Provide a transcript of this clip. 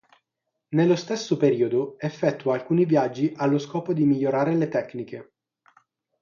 Nello stesso periodo effettua alcuni viaggi allo scopo di migliorare le tecniche.